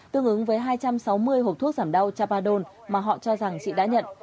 tương ứng với hai trăm sáu mươi hộp thuốc giảm đau chapadon mà họ cho rằng chị đã nhận